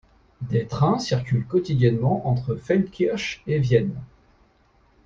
Des trains circulent quotidiennement entre Feldkirch et Vienne.